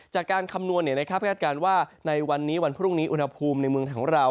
คำนวณคาดการณ์ว่าในวันนี้วันพรุ่งนี้อุณหภูมิในเมืองของเรา